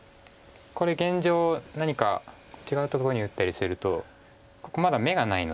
これ現状何か違うところに打ったりするとここまだ眼がないので。